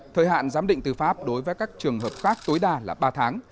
thời hạn giám định tư pháp đối với các trường hợp khác tối đa là ba tháng